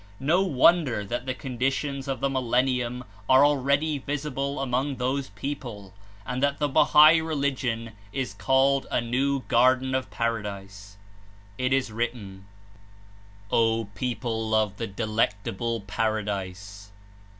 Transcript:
No wonder that the conditions of the millennium are already visible among those peo ple, and that the Bahai Religion is called a new Gar den of Paradise. It is written: "O People of the Delectable Paradise!